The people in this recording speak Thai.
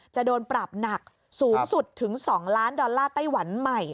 จะโดนปรับหนักสูงสุดถึง๒ล้านดอลลาร์ไต้หวันใหม่